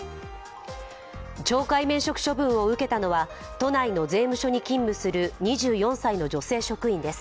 懲戒免職処分を受けたのは都内の税務署に勤務する２４歳の女性職員です。